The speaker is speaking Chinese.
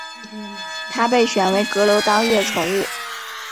他被选为阁楼当月宠物。